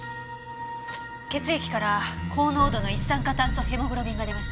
血液から高濃度の一酸化炭素ヘモグロビンが出ました。